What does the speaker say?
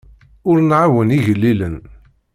Ur nɛawen igellilen.